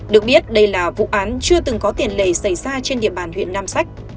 được biết đây là vụ án chưa từng có tiền lệ xảy ra trên địa bàn huyện nam sách